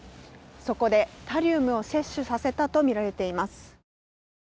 そこでタリウムを摂取させたと見られています。